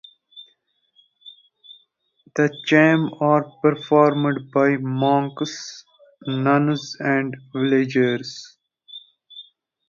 The Cham are performed by monks, nuns, and villagers.